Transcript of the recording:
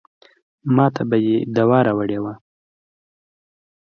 ماته به دې دوا راوړې وه.